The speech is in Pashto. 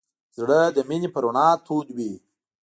زړه د مینې په رڼا تود وي.